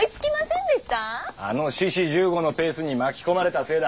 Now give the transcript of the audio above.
あの志士十五のペースに巻き込まれたせいだ。